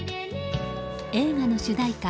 映画の主題歌